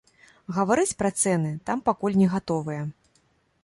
Гаварыць пра цэны там пакуль не гатовыя.